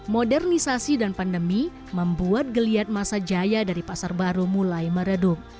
modernisasi dan pandemi membuat geliat masa jaya dari pasar baru mulai meredup